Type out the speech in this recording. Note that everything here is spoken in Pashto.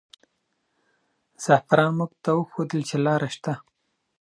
زعفران موږ ته وښودل چې لاره شته.